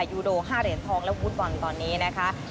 ยูโด๕เหรียญทองและฟุตบอลตอนนี้นะคะ